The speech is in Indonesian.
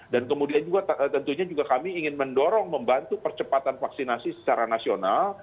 kemudian juga tentunya kami ingin mendorong membantu percepatan vaksinasi secara nasional